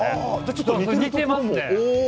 ちょっと似てますね。